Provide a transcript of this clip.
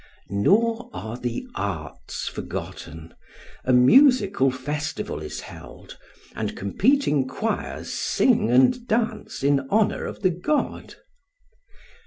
Nor are the arts forgotten; a musical festival is held, and competing choirs sing and dance in honour of the god.